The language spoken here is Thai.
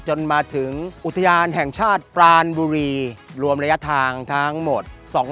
จนมาถึงอุทยานแห่งชาติปรานบุรีรวมระยะทางทั้งหมด